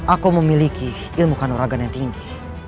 aku memiliki ilmu kanoragan yang tinggi